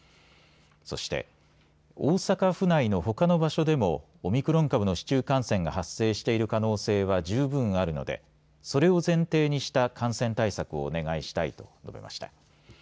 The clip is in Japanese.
そして大阪府内のほかの場所でもオミクロン株の市中感染が発生している可能性は十分あるのでそれを前提にした感染対策をお願いしたいと述べました。